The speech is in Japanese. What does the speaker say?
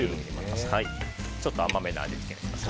ちょっと甘めの味付けにします。